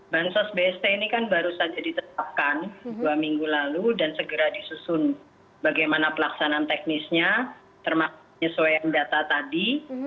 bansos bst ini kan baru saja ditetapkan dua minggu lalu dan segera disusun bagaimana pelaksanaan teknisnya termasuk penyesuaian data tadi